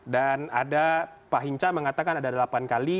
ada pak hinca mengatakan ada delapan kali